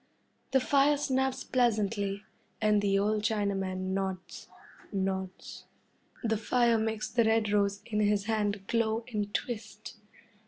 The fire snaps pleasantly, and the old Chinaman nods nods. The fire makes the red rose in his hand glow and twist.